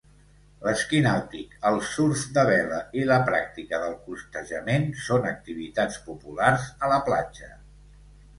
L'esquí nàutic, el surf de vela i la pràctica del costejament són activitats populars a la platja.